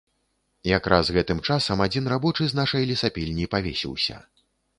Якраз гэтым часам адзін рабочы з нашай лесапільні павесіўся.